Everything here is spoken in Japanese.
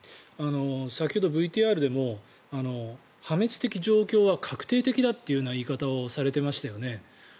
先ほどＶＴＲでも破滅的状況は確定的だという言い方をされていましたよね。